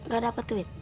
gak dapet duit